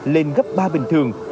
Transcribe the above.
lên gấp ba bình thường